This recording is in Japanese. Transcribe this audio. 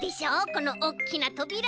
このおっきなとびら。